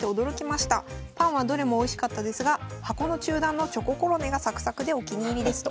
パンはどれもおいしかったですが箱の中段のチョココロネがサクサクでお気に入りですと。